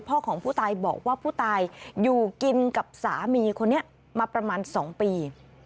ของผู้ตายบอกว่าผู้ตายอยู่กินกับสามีคนนี้มาประมาณ๒ปี